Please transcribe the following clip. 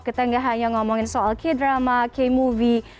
kita tidak hanya berbicara tentang k drama k movie